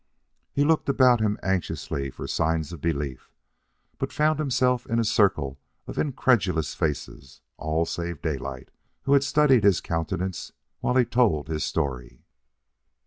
He looked about him anxiously for signs of belief, but found himself in a circle of incredulous faces all save Daylight, who had studied his countenance while he told his story.